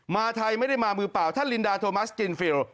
มาไทยไม่ได้มามือเปล่าท่านลินดาโทมัสกินฟิล